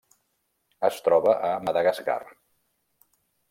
Es troba a Madagascar.